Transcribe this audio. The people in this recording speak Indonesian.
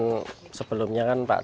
jadi kan sebelumnya pak cahyono itu kan